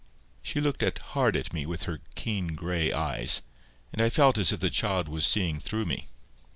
She looked hard at me with her keen gray eyes; and I felt as if the child was seeing through me.